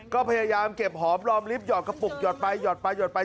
ก็พยายามเก็บหอมรอมลิฟตหอดกระปุกหอดไปหยอดไปหยอดไป